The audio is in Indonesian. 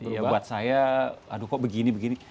ya buat saya aduh kok begini begini